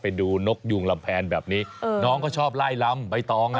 ไปดูนกยุงลำแพนแบบนี้น้องก็ชอบไล่ลำใบตอง